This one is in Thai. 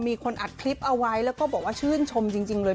มีคนอัดคลิปเอาไว้แล้วก็บอกว่าชื่นชมจริงเลย